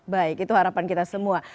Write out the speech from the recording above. baik itu harapan kita semua